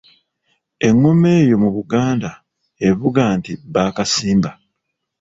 Engoma eyo mu Buganda evuga nti bbaakisimba .